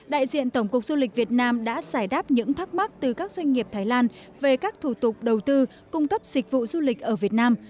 đại diện tổng cục du lịch việt nam đã giải đáp những thắc mắc từ các doanh nghiệp thái lan về các thủ tục đầu tư cung cấp dịch vụ du lịch ở việt nam